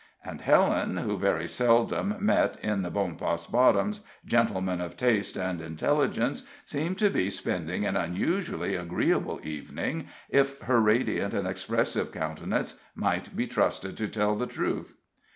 And Helen, who very seldom met, in the Bonpas Bottoms, gentlemen of taste and intelligence, seemed to be spending an unusually agreeable evening, if her radiant and expressive countenance might be trusted to tell the truth.